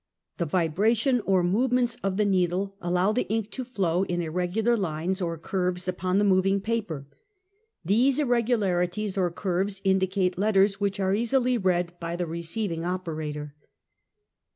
The vibration or movements of the needle allow the ink to flow in irregular lines or curves upon the moving paper. These irregularities or curves indicate letters, which are easily read by the receiving operator.